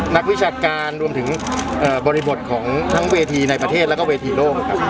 นักวิจารการรวมถึงบริบทของตั้งเวทีในประเทศกับเวทีโลกค่ะ